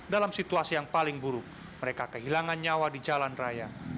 dalam situasi yang paling buruk mereka kehilangan nyawa di jalan raya